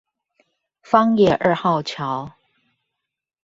枋野二號橋